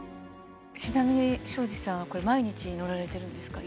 ちなみに庄司さんはこれ毎日乗られてるんですか？